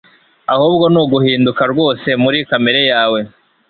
ahubwo ni uguhinduka rwose muri kamere yawe.